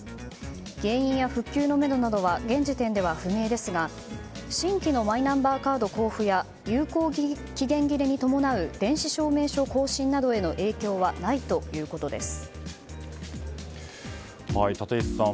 原因や復旧のめどなどは現時点では不明ですが新規のマイナンバーカード交付や有効期限切れに伴う電子証明書更新の影響は立石さん